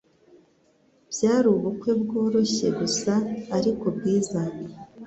Byari ubukwe bworoshye gusa ariko bwiza.